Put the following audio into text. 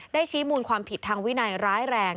ชี้มูลความผิดทางวินัยร้ายแรง